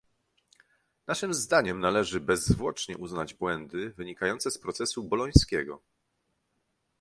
Naszym zdaniem należy bezzwłocznie uznać błędy wynikające z procesu bolońskiego